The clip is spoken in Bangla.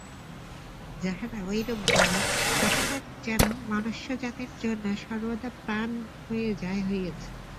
যাঁহারা ঐরূপ বলেন, তাঁহাদের যেন মনুষ্যজাতির জন্য সর্বদা প্রাণ যায় যায় হইয়াছে।